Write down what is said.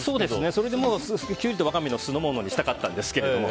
それでもうキュウリとワカメの酢の物にしたかったんですけれども。